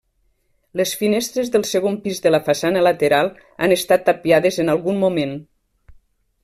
Les finestres del segon pis de la façana lateral han estat tapiades en algun moment.